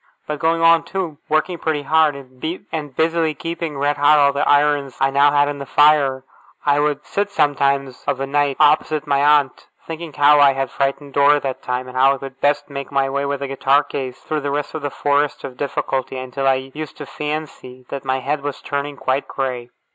But going on, too, working pretty hard, and busily keeping red hot all the irons I now had in the fire, I would sit sometimes of a night, opposite my aunt, thinking how I had frightened Dora that time, and how I could best make my way with a guitar case through the forest of difficulty, until I used to fancy that my head was turning quite grey.